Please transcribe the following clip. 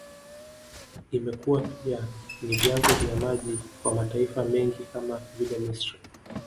Imekuwa pia ni vyanzo vya maji kwa mataifa mengi kama vile Misri